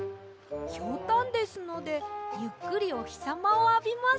ひょうたんですのでゆっくりおひさまをあびます。